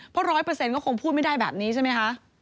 เพราะร้อยเปอร์เซ็นต์ก็คงพูดไม่ได้แบบนี้ใช่ไหมคะ